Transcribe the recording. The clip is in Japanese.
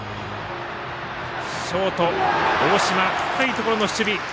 ショート、大島深いところの守備。